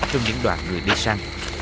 trong những đoàn người đi săn